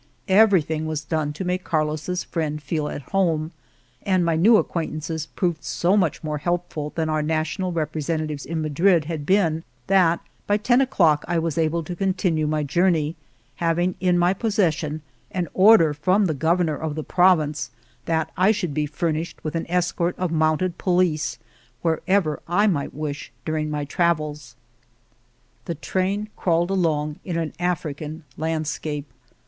Everything was done to make Carlos's friend feel at home, and my new acquaintances proved so much more helpful than our na tional representatives in Madrid had been On the Road to Argamasilla that by ten o'clock I was able to continue my journey, having in my possession an or der from the governor of the province that I should be furnished with an escort of mounted police wherever I might wish dur ing my travels. The train crawled along in an African landscape.